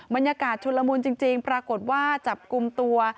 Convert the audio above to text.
บรรยากาศชุนละมุนจริงปรากฏว่าจับกลุ่มตัว